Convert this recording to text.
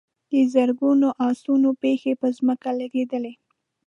د زرګونو آسونو پښې پر ځمکه لګېدلې.